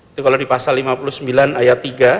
itu kalau di pasal lima puluh sembilan ayat tiga